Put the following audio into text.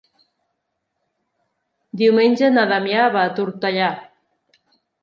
Diumenge na Damià va a Tortellà.